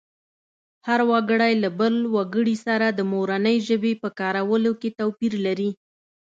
هر وګړی له بل وګړي سره د مورنۍ ژبې په کارولو کې توپیر لري